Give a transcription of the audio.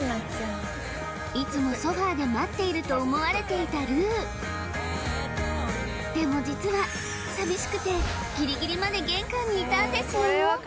いつもソファで待っていると思われていたルウでも実は寂しくてギリギリまで玄関にいたんですよ